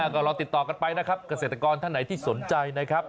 ก็ลองติดต่อกันไปนะครับเกษตรกรท่านไหนที่สนใจนะครับ